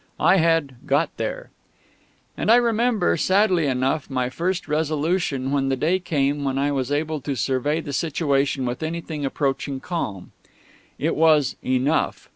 I had "got there." And I remember, sadly enough now, my first resolution when the day came when I was able to survey the situation with anything approaching calm. It was, "Enough."